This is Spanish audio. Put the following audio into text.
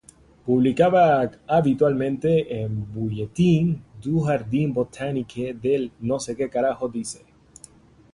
Publicaba habitualmente en Bulletin du Jardin Botanique de l'État.